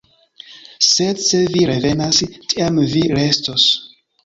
Sed se vi revenas, tiam vi restos.